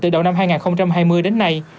từ đầu năm hai nghìn hai mươi đến nay